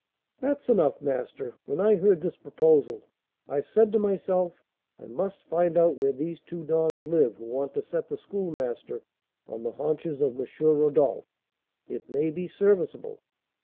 "That's enough, master. When I heard this proposal, I said to myself, I must find out where these two dons live who want to set the Schoolmaster on the haunches of M. Rodolph; it may be serviceable.